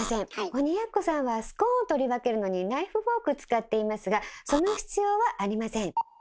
鬼奴さんはスコーン取り分けるのにナイフ・フォーク使っていますがその必要はありません。